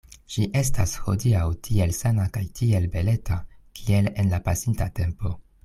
Ŝi estas hodiaŭ tiel sana kaj tiel beleta, kiel en la pasinta tempo.